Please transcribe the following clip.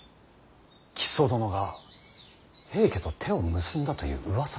木曽殿が平家と手を結んだといううわさが。